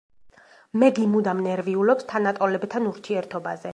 მეგი მუდამ ნერვიულობს თანატოლებთან ურთიერთობაზე.